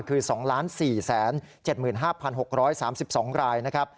คือ๒๔๗๕๖๓๒ราย